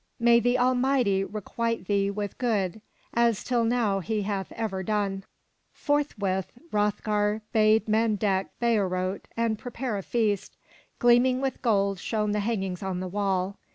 May the Almighty requite thee with good, as till now He hath ever done!'' Forthwith Hroth'gar bade men deck Heorot and prepare a feast. Gleaming with gold shone the hangings on the wall.